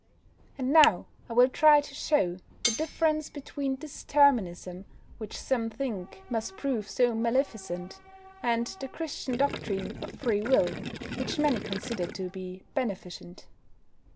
And now I will try to show the difference between this Determinism, which some think must prove so maleficent, and the Christian doctrine of Free Will, which many consider so beneficent.